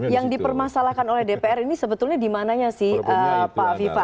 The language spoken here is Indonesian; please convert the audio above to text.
yang dipermasalahkan oleh dpr ini sebetulnya di mananya sih pak viva